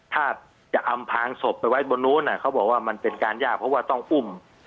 ถ้าจะอำพางศพไปไว้บนนู้นเขาบอกว่ามันเป็นการยากเพราะว่าต้องอุ้ม